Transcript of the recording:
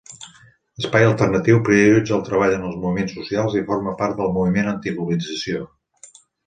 Espai Alternatiu prioritza el treball en els moviments socials, i forma part del moviment antiglobalització.